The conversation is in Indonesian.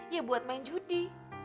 ya buat main judi